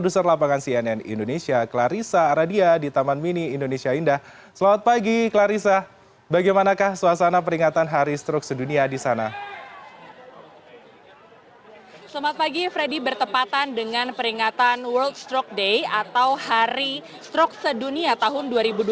selamat pagi freddy bertepatan dengan peringatan world stroke day atau hari stroke sedunia tahun dua ribu dua puluh